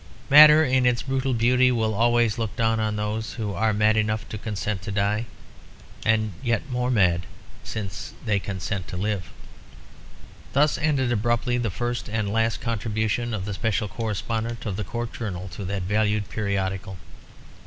Matter, in its brutal beauty, will always look down on those who are mad enough to consent to die, and yet more mad, since they consent to live." Thus ended abruptly the first and last contribution of the Special Correspondent of the Court Journal to that valued periodical.